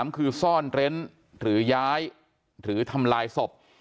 ๓คือซ่อนเร้นหรือย้ายหรือทำลายศพ